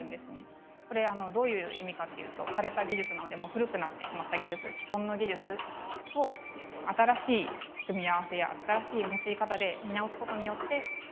これはどういう意味かっていうと枯れた技術なので古くなってしまった技術既存の技術を新しい組み合わせや新しい用い方で見直すことによって全く新しい商品を作っていこうと。